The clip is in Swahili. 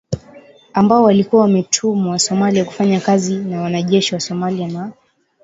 ambao walikuwa wametumwa Somalia kufanya kazi na wanajeshi wa Somalia na